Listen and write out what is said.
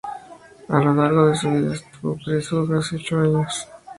A lo largo de su vida estuvo preso durante casi ocho años.